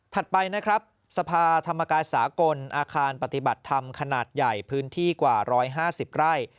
ไปนะครับสภาธรรมกายสากลอาคารปฏิบัติธรรมขนาดใหญ่พื้นที่กว่า๑๕๐ไร่